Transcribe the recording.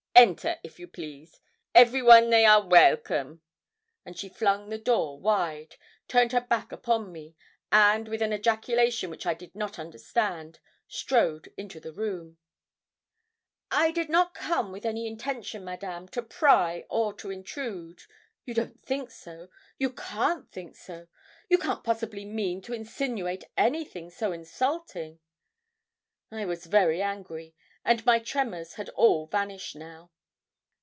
Enter, if you please. Every one they are welcome!' and she flung the door wide, turned her back upon me, and, with an ejaculation which I did not understand, strode into the room. 'I did not come with any intention, Madame, to pry or to intrude you don't think so you can't think so you can't possibly mean to insinuate anything so insulting!' I was very angry, and my tremors had all vanished now.